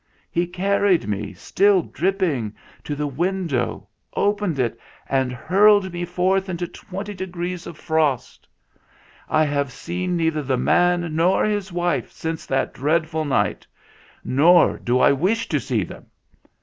He carried me, still dripping, to the window, opened it, and hurled me forth into twenty degrees of frost! I have seen neither the man nor his wife since that dreadful night, nor do I wish to see them.